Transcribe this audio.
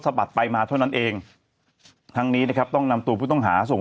บัดไปมาเท่านั้นเองทั้งนี้นะครับต้องนำตัวผู้ต้องหาส่ง